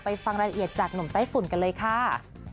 ฟังรายละเอียดจากหนุ่มไต้ฝุ่นกันเลยค่ะ